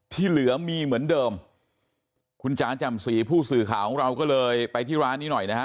ที่เหลือมีเหมือนเดิมคุณจ๋าจำศรีผู้สื่อข่าวของเราก็เลยไปที่ร้านนี้หน่อยนะฮะ